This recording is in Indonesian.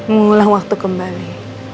mengulang waktu kembali